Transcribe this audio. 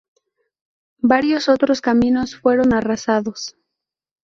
Varios otros caminos fueron arrasados.